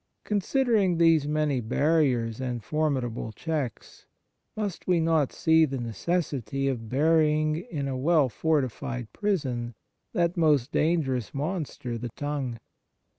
Considering these many barriers and for midable checks, must we not see the necessity of burying in a well fortified prison that most dangerous monster, the tongue